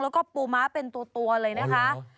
แล้วก็ปูม้าเป็นตัวเลยนะคะ